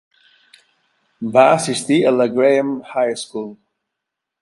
Va assistir a la Graeme High School.